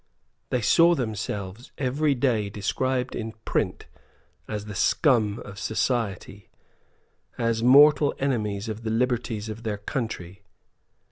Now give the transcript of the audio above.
They saw themselves every day described in print as the scum of society, as mortal enemies of the liberties of their country.